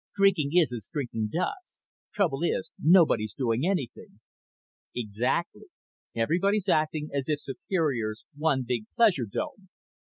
"Drinking is as drinking does. Trouble is, nobody's doing anything." "Exactly. Everybody's acting as if Superior's one big pleasure dome.